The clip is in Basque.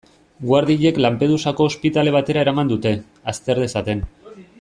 Guardiek Lampedusako ospitale batera eraman dute, azter dezaten.